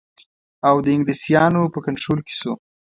اَوَد د انګلیسیانو په کنټرول کې شو.